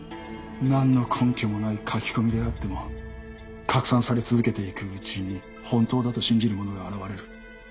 なんの根拠もない書き込みであっても拡散され続けていくうちに本当だと信じる者が現れる。